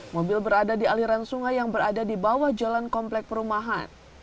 mobil berada di aliran sungai yang berada di bawah jalan komplek perumahan